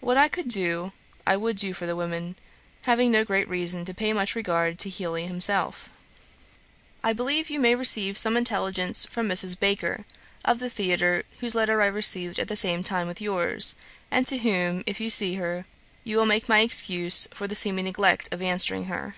What I could do, I would do for the women, having no great reason to pay much regard to Heely himself. 'I believe you may receive some intelligence from Mrs. Baker, of the theatre, whose letter I received at the same time with yours; and to whom, if you see her, you will make my excuse for the seeming neglect of answering her.